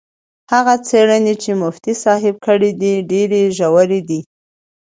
هغه څېړنې چې مفتي صاحب کړي ډېرې ژورې دي.